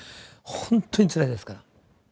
ほんとにつらいですから。